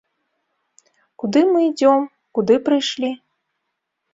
Куды мы ідзём, куды прыйшлі?